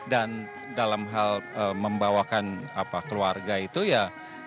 dan dalam hal membawakan keluarga itu ya